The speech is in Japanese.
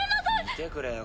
見てくれよ